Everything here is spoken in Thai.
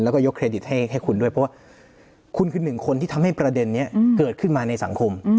แล้วก็ยกเครดิตให้คุณด้วยเพราะว่าคุณคือหนึ่งคนที่ทำให้ประเด็นนี้เกิดขึ้นมาในสังคม